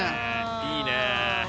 いいね。